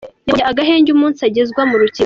Yabonye agahenge umunsi agezwa mu rukiko.”